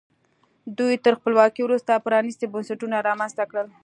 دوی تر خپلواکۍ وروسته پرانیستي بنسټونه رامنځته کړل.